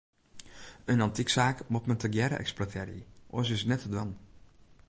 In antyksaak moat men tegearre eksploitearje, oars is it net te dwaan.